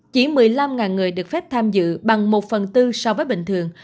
chỉ một mươi năm người được phép tham dự bằng một phần tư so với bình thường